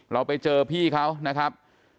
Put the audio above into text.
เราไปเจอพี่เขานะครับ